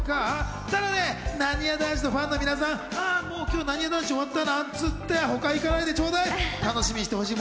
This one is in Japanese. ただね、なにわ男子のファンの皆さん、もうなにわ男子終わったなんつってほか行かないでちょうだい。